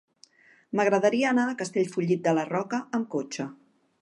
M'agradaria anar a Castellfollit de la Roca amb cotxe.